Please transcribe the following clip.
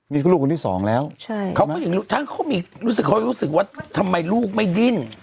นี่ก็ลูกคนที่สองแล้วทั้งเขามีรู้สึกว่าทำไมลูกไม่ดิ้น